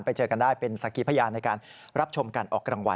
ไปเจอกันได้เป็นสักกิพยานในการรับชมการออกรางวัล